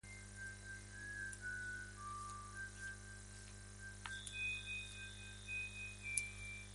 Un pecio debe ser considerado, por tanto, en un contexto arqueológico subacuático.